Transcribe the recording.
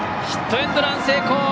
ヒットエンドラン成功！